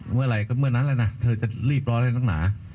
เมื่อไหร่ก็เมื่อนั้นแล้วนะเธอจะรีบร้อนอะไรนักหนา